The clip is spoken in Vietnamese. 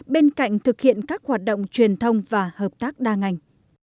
bên cạnh thực hiện các hoạt động truyền thông và hợp tác đa ngành